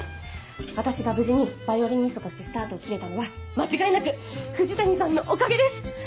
私が無事にヴァイオリニストとしてスタートを切れたのは間違いなく藤谷さんのおかげです！